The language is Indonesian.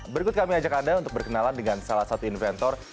berikut kami ajak anda untuk berkenalan dengan salah satu inventor